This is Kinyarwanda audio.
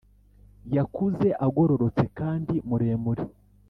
yakuze agororotse kandi muremure.